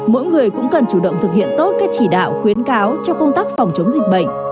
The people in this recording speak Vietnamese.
mỗi người cũng cần chủ động thực hiện tốt các chỉ đạo khuyến cáo cho công tác phòng chống dịch bệnh